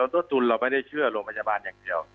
ต้นทุนเราไม่ได้เชื่อโรงพยาบาลอย่างเดียว